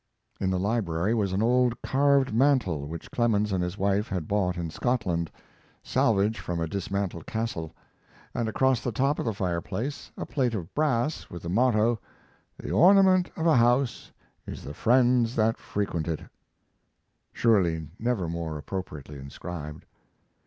In the library was an old carved mantel which Clemens and his wife had bought in Scotland, salvage from a dismantled castle, and across the top of the fireplace a plate of brass with the motto, "The ornament of a house is the friends that frequent it," surely never more appropriately inscribed.